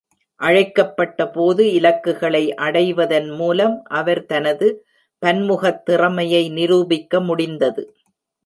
அழைக்கப்பட்டபோது, இலக்குகளை அடைவதன் மூலம் அவர் தனது பன்முகத்திறமையை நிரூபிக்க முடிந்தது.